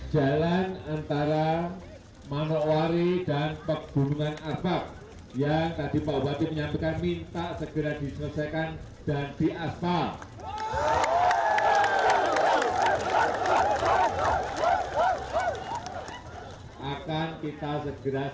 jalan antara manokwari dan pegunungan abab yang tadi pak bupati menyampaikan minta segera diselesaikan dan diaspal